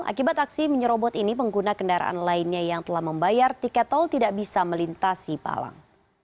akibat aksi menyerobot ini pengguna kendaraan lainnya yang telah membayar tiket tol tidak bisa melintasi palang